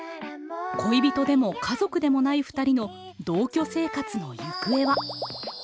恋人でも家族でもないふたりの同居生活のゆくえは。